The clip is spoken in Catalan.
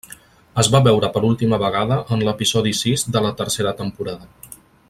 Es va veure per última vegada en l’episodi sis de la tercera temporada.